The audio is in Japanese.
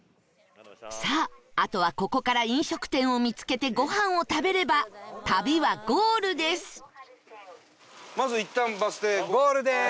さああとはここから飲食店を見つけてごはんを食べれば旅はゴールです